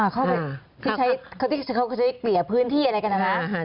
เขาที่กระทะเกียบพื้นที่อะไรกันนะ